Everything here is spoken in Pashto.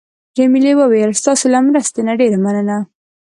جميلې وويل: ستاسو له مرستې نه ډېره مننه.